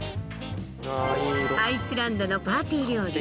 アイスランドのパーティー料理